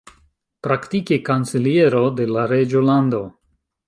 Praktike kanceliero de la reĝolando.